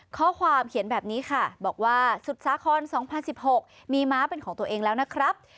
ข้อความเขียนแบบนี้ค่ะบอกว่าสุดสาคร๒๐๑๖มีม้าเป็นของตัวเองแล้วนะครับ